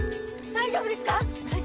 大丈夫ですか？